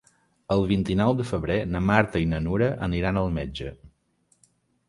El vint-i-nou de febrer na Marta i na Nura aniran al metge.